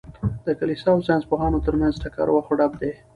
د کلیسا او ساینس پوهانو تر منځ ټکر او اخ و ډب دئ.